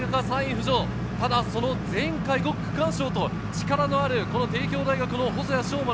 ただその前回５区区間賞と力のある帝京大学の細谷翔